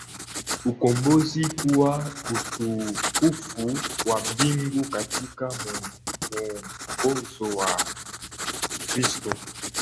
ukombozi kuwa utukufu wa Mbingu katika mwongozo wa Kikristo